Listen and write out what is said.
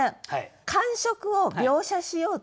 感触を描写しようとしてる。